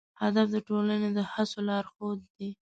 هدف د ټولنې د هڅو لارښود دی.